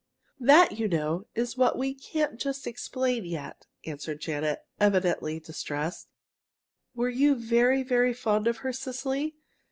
"That, you know, is what we can't just explain yet," answered Janet, evidently distressed. "Were you very, very fond of her, Cecily?"